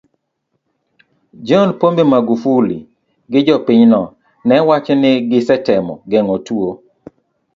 John Pombe Magufuli gi jopinyno ne wacho ni gisetemo geng'o tuo